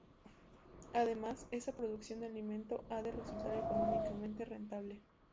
Además, esa producción de alimento, ha de resultar económicamente rentable.